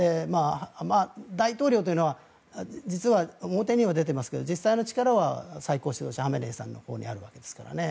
大統領というのは実は、表には出ていますが実際の力は最高指導者ハメネイさんのほうにあるわけですからね。